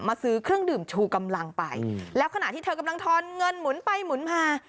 ซื้อเครื่องดื่มชูกำลังไปแล้วขณะที่เธอกำลังทอนเงินหมุนไปหมุนมา